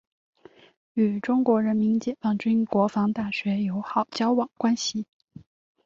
与中国人民解放军国防大学友好交往关系。